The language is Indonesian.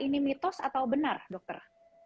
ini mitos atau benar dokter